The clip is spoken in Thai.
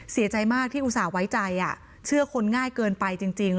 เสียใจมากที่อุตส่าห์ไว้ใจเชื่อคนง่ายเกินไปจริง